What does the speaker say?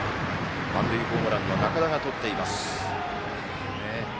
満塁ホームランの仲田がとっています。